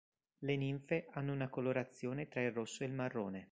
Le ninfe hanno una colorazione tra il rosso ed il marrone.